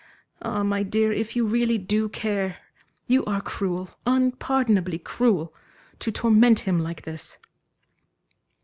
Ah, my dear, if you really do care, you are cruel, unpardonably cruel, to torment him like this."